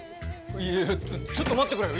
いやいやちょっと待ってくれよ！